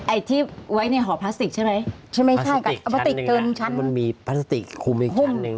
ไอ้ที่ไว้ในหอพลาสติกใช่ไหมพลาสติกชั้นหนึ่งมันมีพลาสติกคุมอีกชั้นหนึ่ง